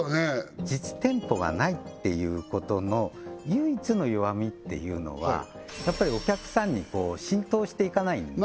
実店舗がないっていうことの唯一の弱みっていうのはやっぱりお客さんに浸透していかないんです